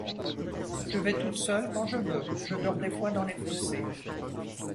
Je vais toute seule quand je veux, je dors des fois dans les fossés.